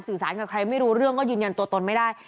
สารกับใครไม่รู้เรื่องก็ยืนยันตัวตนไม่ได้